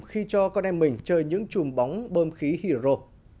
khi cho con em mình chơi những chùm bóng bơm khí hydro